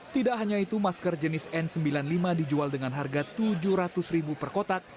tidak hanya itu masker jenis n sembilan puluh lima dijual dengan harga rp tujuh ratus per kotak